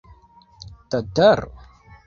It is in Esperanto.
Tataro?